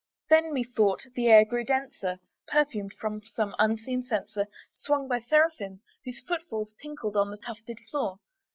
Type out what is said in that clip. Then, methought, the air grew denser, perfumed from an unseen censer Swung by Seraphim whose footfalls tinkled on the tufted floor.